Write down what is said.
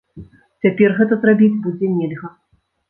Цяпер гэта зрабіць будзе нельга.